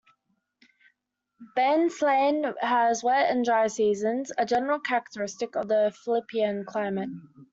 Banisilan has wet and dry seasons, a general characteristic of the Philippian climate.